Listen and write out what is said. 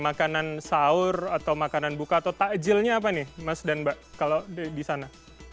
makanan sahur atau makanan buka atau takjilnya apa nih mas dan mbak kalau di sana